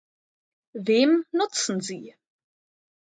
Wem nutzen sie?